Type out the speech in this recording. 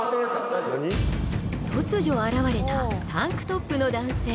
大丈夫突如現れたタンクトップの男性